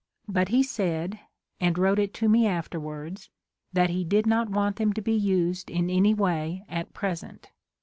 But he said (and wrote it to me afterwards) that he did not want them to be used in any way at present.